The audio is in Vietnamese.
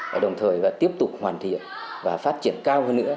và đồng thời vẫn tiếp tục hoàn thiện và phát triển cao hơn nữa